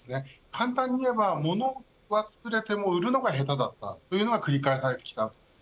簡単に言えばものはつくれても売るのが下手だったというのが繰り返されてきました。